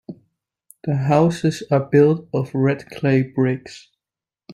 The houses are built of red clay bricks.